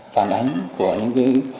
phản ánh của những